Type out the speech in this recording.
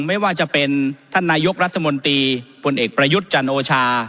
ไม่ว่าจะเป็นท่านนายกรัฐมนตรีพลเอกประยุทธ์จันโอชา